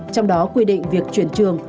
trong đó quy định việc chuyển trường